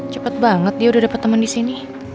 cepet banget dia udah dapet temen disini